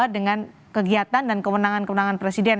dengan kegiatan dan kewenangan kewenangan presiden